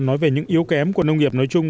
nói về những yếu kém của nông nghiệp nói chung